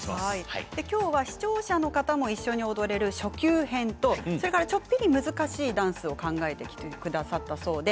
きょうは視聴者の方も一緒に踊れる初級編とちょっぴり難しいダンスを考えてきてくださったそうです。